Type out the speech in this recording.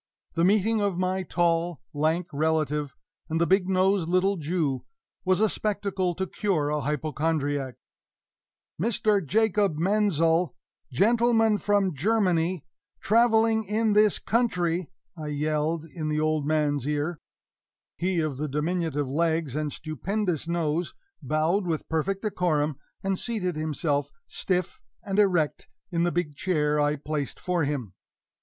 The meeting of my tall, lank relative and the big nosed little Jew was a spectacle to cure a hypochondriac! "Mr. Jacob Menzel gentleman from Germany traveling in this country," I yelled in the old fellow's ear. He of the diminutive legs and stupendous nose bowed with perfect decorum, and seated himself, stiff and erect, in the big chair I placed for him.